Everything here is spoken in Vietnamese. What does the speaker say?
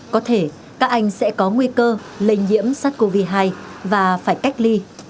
có thể các anh sẽ có nguy cơ lây nhiễm sát covid hai và phải cách ly